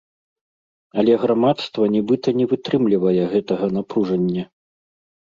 Але грамадства нібыта не вытрымлівае гэтага напружання.